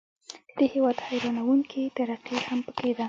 د دې هیواد حیرانوونکې ترقي هم پکې ده.